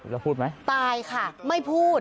แล้วพูดไหมตายค่ะไม่พูด